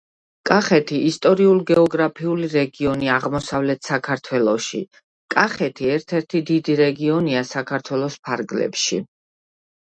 კახეთი — ისტორიულ-გეოგრაფიული რეგიონი აღმოსავლეთ საქართველოში. კახეთი ერთ-ერთი დიდი რეგიონია საქართველოს ფარგლებში.